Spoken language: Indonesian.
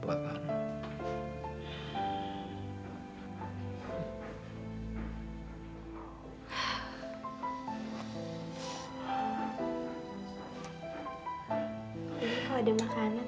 ini kok ada makanan sih di sini